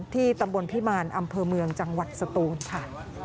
ที่ตำบลพิมารอำเภอเมืองจังหวัดสตูนค่ะ